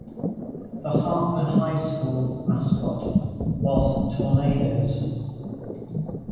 The Hardtner High School mascot was Tornadoes.